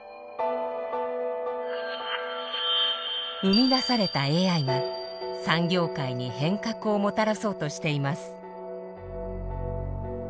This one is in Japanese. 生み出されたＡＩは産業界に変革をもたらそうとしています。